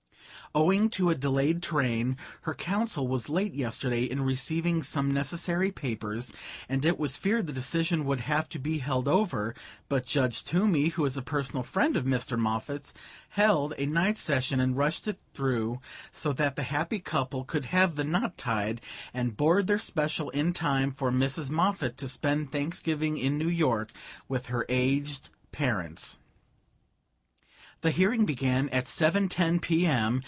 Owing to a delayed train, her counsel was late yesterday in receiving some necessary papers, and it was feared the decision would have to be held over; but Judge Toomey, who is a personal friend of Mr. Moffatt's, held a night session and rushed it through so that the happy couple could have the knot tied and board their special in time for Mrs. Moffatt to spend Thanksgiving in New York with her aged parents. The hearing began at seven ten p. m.